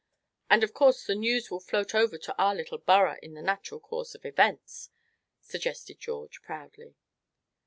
"And of course the news will float over to our little borough, in the natural course of events," suggested George, proudly.